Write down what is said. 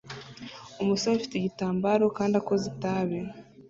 Umusore ufite igitambaro kandi akoze itabi